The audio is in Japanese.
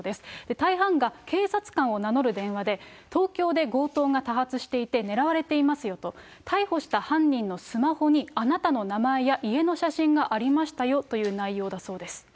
大半が警察官を名乗る電話で、東京で強盗が多発していて、狙われていますよと、逮捕した犯人のスマホにあなたの名前や家の写真がありましたよという内容だそうです。